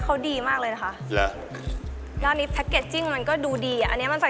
เขาดีมากเลยนะคะรึแล้วอันนี้โมะดูดีอ่ะอันนี้มันใส่